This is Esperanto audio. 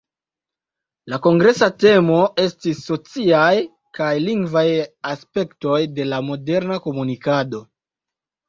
La kongresa temo estis "Sociaj kaj lingvaj aspektoj de la moderna komunikado".